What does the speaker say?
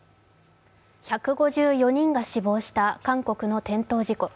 １５４人が死亡した韓国の転倒事故。